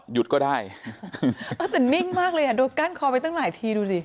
หยุดก็ได้เออแต่นิ่งมากเลยอ่ะดูกั้นคอไปตั้งหลายทีดูสิ